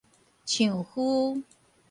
象夫